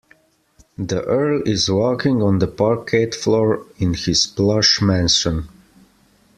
The earl is walking on the parquet floor in his plush mansion.